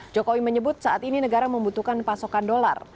jokowi menyebut saat ini negara membutuhkan pasokan dolar